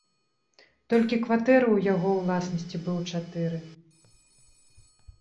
Толькі кватэры ў яго ўласнасці быў чатыры.